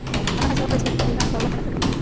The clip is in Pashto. هغه هڅه وکړه چې د ایران باور ترلاسه کړي.